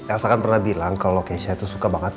elsa kan pernah bilang kekeisha suka banget